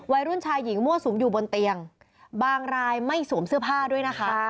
วัยรุ่นชายหญิงมั่วสุมอยู่บนเตียงบางรายไม่สวมเสื้อผ้าด้วยนะคะ